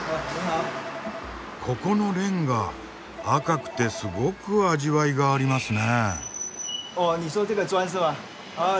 ここのレンガ赤くてすごく味わいがありますね？